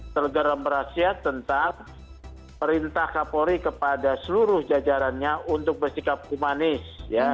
tergeram berhasil tentang perintah kapolri kepada seluruh jajarannya untuk bersikap kumanis ya